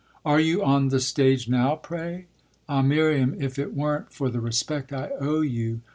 "Are you on the stage now, pray? Ah Miriam, if it weren't for the respect I owe you!"